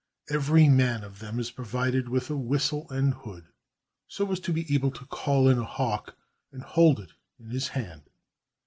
Every man of them is provided with a whistle and hood, so as to be able to call in a hawk and hold it in his hand.